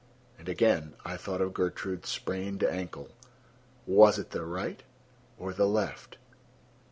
And again I thought of Gertrude's sprained ankle. Was it the right or the left?